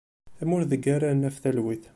Tamurt i deg ara naf talwit.